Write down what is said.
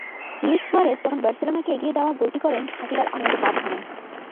Luis Suarez যখন বার্সেলোনাকে এগিয়ে দেওয়া গোলটি করেন, শাকিরার আনন্দ বাধ ভাঙে।